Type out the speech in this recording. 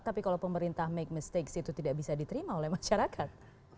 tapi kalau pemerintah make mistage itu tidak bisa diterima oleh masyarakat